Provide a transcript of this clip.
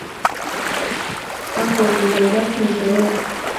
Kakoil keldap ngecheret